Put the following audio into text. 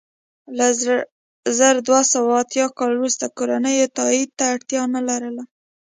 له زر دوه سوه اتیا کال وروسته کورنیو تایید ته اړتیا نه لرله.